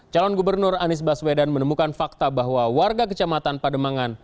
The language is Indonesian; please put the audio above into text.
calon gubernur anies baswedan menemukan fakta bahwa warga kecamatan pademangan